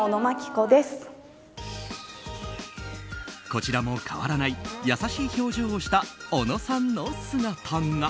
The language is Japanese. こちらも変わらない優しい表情をしたおのさんの姿が。